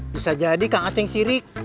bisa jadi kang aceng sirik